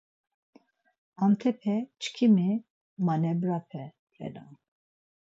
Antepe çkimi manebrape renan.